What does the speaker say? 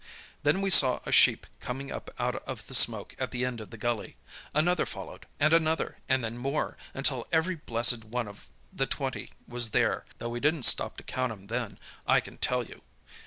"Then we saw a sheep coming up out of the smoke at the end of the gully. Another followed, and another, and then more, until every blessed one of the twenty was there (though we didn't stop to count 'em then, I can tell you!)